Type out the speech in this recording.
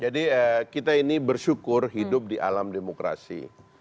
jadi kita ini bersyukur hidup di alam demokrasi